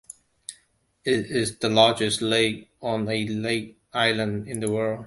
It is the largest lake on a lake island in the world.